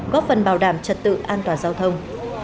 góp phần bảo đảm trật tự an toàn giao thông